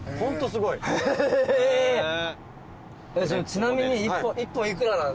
ちなみに。